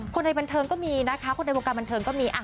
ในบันเทิงก็มีนะคะคนในวงการบันเทิงก็มี